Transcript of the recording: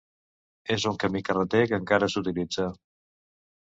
És un camí carreter que encara s'utilitza.